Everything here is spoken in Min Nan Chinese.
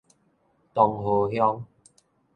東河鄉